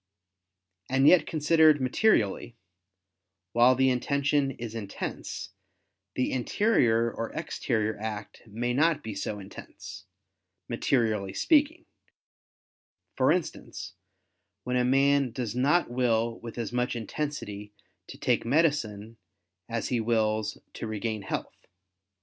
And yet considered materially, while the intention is intense, the interior or exterior act may be not so intense, materially speaking: for instance, when a man does not will with as much intensity to take medicine as he wills to regain health.